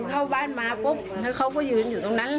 เข้าบ้านมาปุ๊บแล้วเขาก็ยืนอยู่ตรงนั้น